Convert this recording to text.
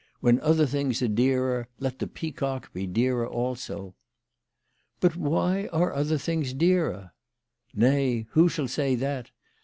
When other things are dearer, let the Peacock be dearer also." " But why are other things dearer ?"" Nay ; who shall say that